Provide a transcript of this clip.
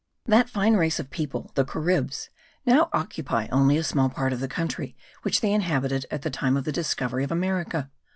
That fine race of people, the Caribs, now occupy only a small part of the country which they inhabited at the time of the discovery of America.